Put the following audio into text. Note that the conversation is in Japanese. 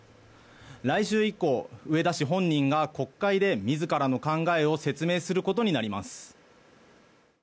来週以降、植田氏本人が国会で自らの考えを説明することになります。